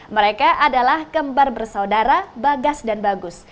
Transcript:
mereka adalah kembar bersaudara bagas dan bagus